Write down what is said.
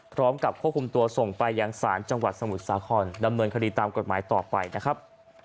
พร้อมกับควบคุมตัวส่งไปยังศาลจังหวัดสมุทรสาครดำเนินคดีตามกฎหมายต่อไปนะครับ